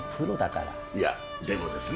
いやでもですね。